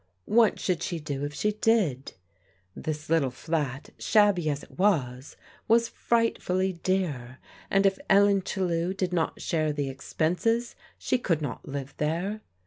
What should she do if she did? This little flat, shabby as it was, was frightfully dear, and if Ellen Chellew did not share the expenses she could not live there.